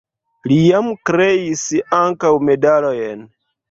Li jam kreis ankaŭ medalojn.